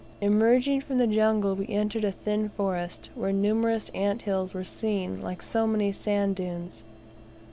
Emerging from the jungle, we entered a thin forest, where numerous ant hills were seen like so many sand dunes.